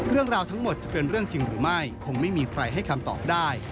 เรื่องราวทั้งหมดจะเป็นเรื่องจริงหรือไม่คงไม่มีใครให้คำตอบได้